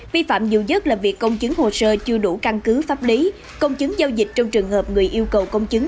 vi phạm nhiều nhất là việc công chứng hồ sơ chưa đủ căn cứ pháp lý công chứng giao dịch trong trường hợp người yêu cầu công chứng